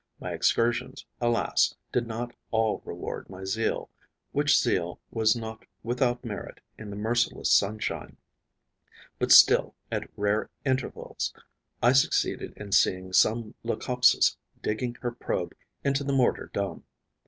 My excursions, alas, did not all reward my zeal, which zeal was not without merit in the merciless sunshine; but still, at rare intervals, I succeeded in seeing some Leucopsis digging her probe into the mortar dome.